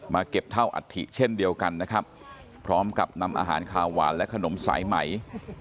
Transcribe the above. เก็บเท่าอัฐิเช่นเดียวกันนะครับพร้อมกับนำอาหารขาวหวานและขนมสายไหม